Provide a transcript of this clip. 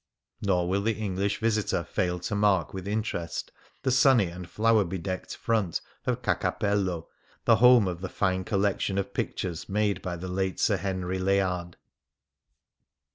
Nor will the English visitor fail to mark with interest the sunny and flower bedecked front of Ca' Capello, the home of the fine collection of pictures made by the late Sir Henry Layard.